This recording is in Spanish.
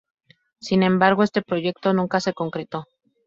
Sin embargo, este proyecto nunca se concretó.